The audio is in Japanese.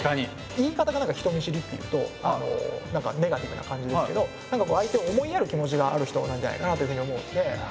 言い方がなんか人見知りっていうとネガティブな感じですけど相手を思いやる気持ちがある人なんじゃないかなというふうに思うので。